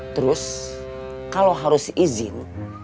terus kalau harus izin